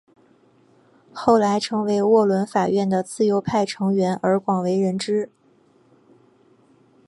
后来成为沃伦法院的自由派成员而广为人知。